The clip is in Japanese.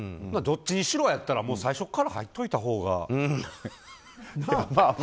どっちにしろやったら最初から入っといたほうが。